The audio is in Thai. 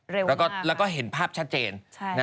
เร็วมากแล้วก็เห็นภาพชัดเจน